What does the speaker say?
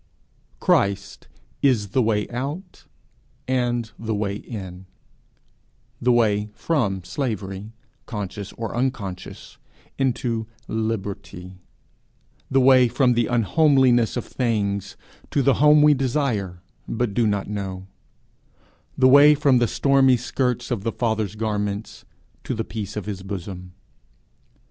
Christ is the way out, and the way in; the way from slavery, conscious or unconscious, into liberty; the way from the unhomeliness of things to the home we desire but do not know; the way from the stormy skirts of the Father's garments to the peace of his bosom.